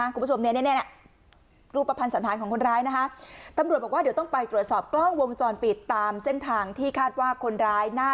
คุณผู้ชมเนี่ยรูปประพันธ์สัมภัณฑ์ของคนร้ายนะคะ